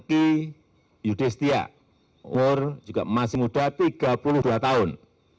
ki yudestia umur juga masih muda tiga puluh dua tahun